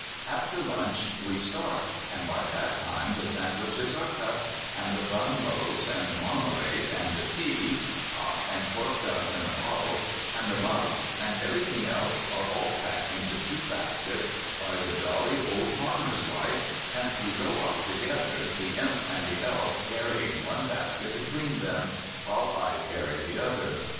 After lunch we start, and by that time the sandwiches are cut, and the bun loaves, and the marmalade, and the tea (hot and corked up in a bottle), and the mugs, and everything else are all packed into two baskets by the jolly old farmer's wife, and we go off together, the Imp and the Elf carrying one basket between them, while I carry the other.